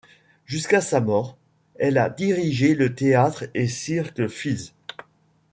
Jusqu'à sa mort, elle a dirigé le Théâtre et cirque Fields.